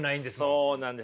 そうなんです。